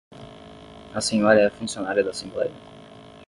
A senhora é funcionária da Assembleia?